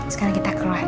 sekarang kita keluar